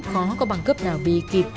khó có băng gấp nào bị kịp